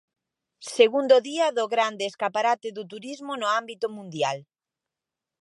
Segundo día do grande escaparate do turismo no ámbito mundial.